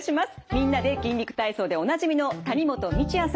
「みんなで筋肉体操」でおなじみの谷本道哉さん。